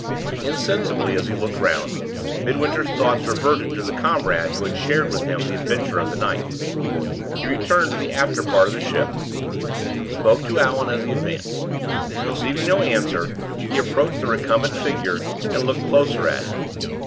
Insensibly, as he looked round, Midwinter's thoughts reverted to the comrade who had shared with him the adventure of the night. He returned to the after part of the ship, spoke to Allan as he advanced. Receiving no answer, he approached the recumbent figure and looked closer at it.